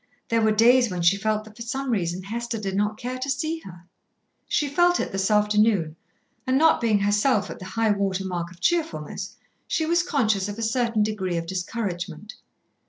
There were days when she felt that for some reason Hester did not care to see her. She felt it this afternoon, and not being herself at the high water mark of cheerfulness, she was conscious of a certain degree of discouragement.